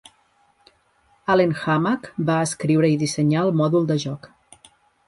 Allen Hammack va escriure i dissenyar el mòdul de joc.